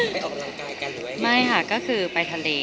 อเรนนี่ว่าพูดข่าวหรือพูดมาอะไร